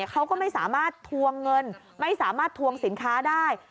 เขาก็ไม่สามารถทวงเงินไม่สามารถทวงสินค้าได้